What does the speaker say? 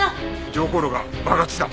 常香炉が爆発した！